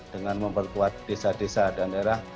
dengan memperkuat desa desa dan daerah